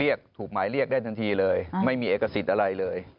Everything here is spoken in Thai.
ถูกหมายเรียกได้ทันทีเลยไม่มีเอกสิทธิ์อะไรเลย